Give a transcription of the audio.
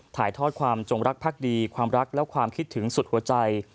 ถ่ายทอดความจงรักภักดีความรักและความคิดถึงสุดหัวใจ